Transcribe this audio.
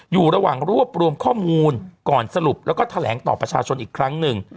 อยู่ระหว่างรวบรวมข้อมูลก่อนสรุปแล้วก็แถลงต่อประชาชนอีกครั้งหนึ่ง